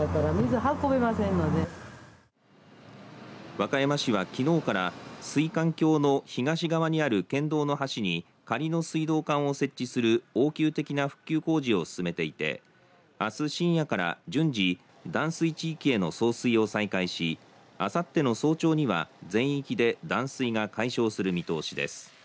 和歌山市は、きのうから水管橋の東側にある県道の橋に仮の水道管を設置する応急的な復旧工事を進めていてあす深夜から順次断水地域への送水を再開しあさっての早朝には全域で断水が解消する見通しです。